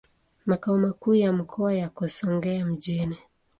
Makao makuu ya mkoa yako Songea mjini.